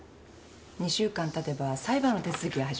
２週間たてば裁判の手続きが始まります。